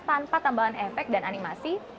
tanpa tambahan efek dan animasi